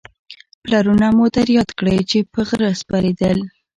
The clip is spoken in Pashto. پلرونه مو در یاد کړئ چې په خره سپرېدل